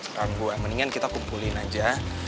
kalau gua mendingan kita kumpulin aja